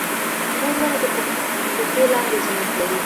مور ولې د پښو لاندې جنت لري؟